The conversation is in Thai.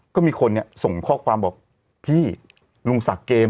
ก็มีคนเนี่ยส่งข้อความบอกพี่ลุงศักดิ์เกม